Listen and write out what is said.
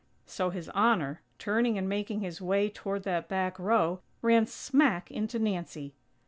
_ So His Honor, turning and making his way toward that back row, ran smack into Nancy.